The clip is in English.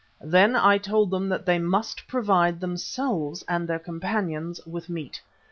Then I told them that they must provide themselves and their companions with meat.